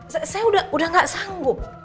saya udah gak sanggup